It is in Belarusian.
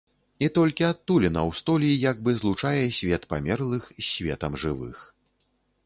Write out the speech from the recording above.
І толькі адтуліна ў столі як бы злучае свет памерлых з светам жывых.